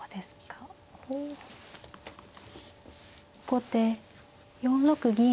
後手４六銀。